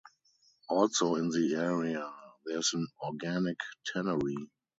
Also in the area, there is an organic tannery.